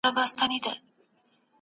خپل ورېښتان په پوره ترتیب سره جوړ کړئ.